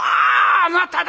あなただ！